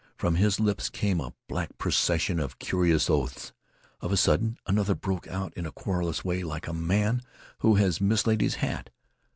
From his lips came a black procession of curious oaths. Of a sudden another broke out in a querulous way like a man who has mislaid his hat.